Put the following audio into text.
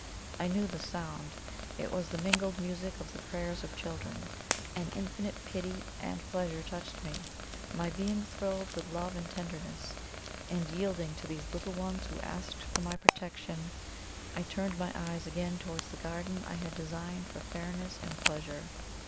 I knew the sound it was the mingled music of the prayers of children. An infinite pity and pleasure touched me, my being thrilled with love and tenderness; and yielding to these little ones who asked me for protection, I turned my eyes again towards the garden I had designed for fairness and pleasure.